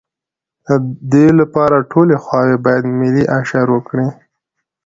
د دې لپاره ټولې خواوې باید ملي اشر وکړي.